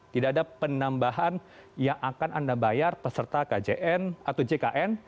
tidak ada penambahan yang akan anda bayar peserta kjn atau jkn